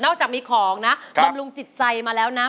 จากมีของนะบำรุงจิตใจมาแล้วนะ